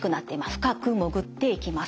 深く潜っていきます。